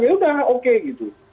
ya udah oke gitu